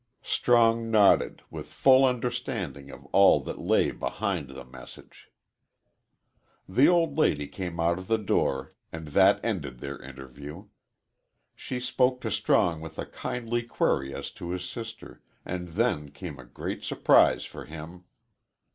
Strong nodded, with full understanding of all that lay behind the message. The old lady came out of the door and that ended their interview. She spoke to Strong with a kindly query as to his sister, and then came a great surprise for him.